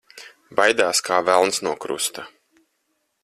Baidās kā velns no krusta.